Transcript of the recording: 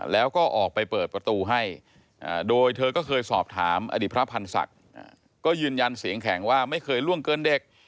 แล้วก็ออกไปเปิดประตูให้โดยเธอก็เคยสอบถามอดีตพระพันธ์ศักดิ์ก็ยืนยันเสียงแข็งว่าไม่เคยล่วงเกินเด็ก